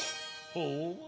ほう。